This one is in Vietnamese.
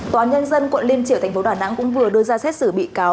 tòa nhân dân quận liên triều thành phố đà nẵng cũng vừa đưa ra xét xử bị cáo